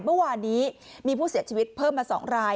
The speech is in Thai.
เมื่อวานนี้มีผู้เสียชีวิตเพิ่มมา๒ราย